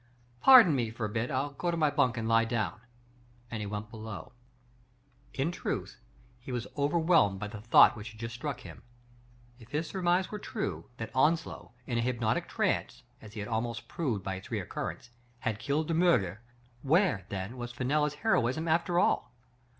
Pardon me for a bit. Til go to my bunk and lie down," and he went below. In truth, he wa3 overwhelmed by the thought Digitized by Google 122 THE FATE OF FENELLA. which had just struck him. If his surmise were true, that Onslow, in a hypnotic trance, as he had almost proved by its recurrence, had killed De Miirger, where, then, was Fenella's heroism after all